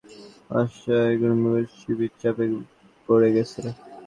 Hillary ক্লিনটনের email কেলেঙ্কারি নতুন করে আলোচনায় আসায় ডেমোক্র্যাট শিবির চাপে পড়ে গেছে।